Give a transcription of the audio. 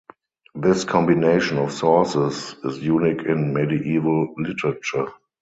This combination of sources is unique in medieval literature.